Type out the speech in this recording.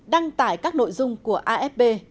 bốn đăng tải các nội dung của afp